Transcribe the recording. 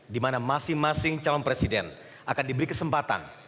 dimana masing masing calon presiden akan diberi kesempatan